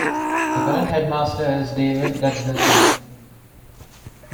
The current headmaster is David Gajadharsingh.